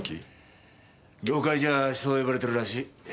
業界じゃあそう呼ばれてるらしい。